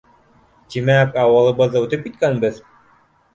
Тимәк, ауылыбыҙҙы үтеп киткәнбеҙ?!